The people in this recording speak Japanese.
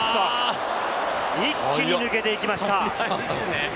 一気に抜けていきました。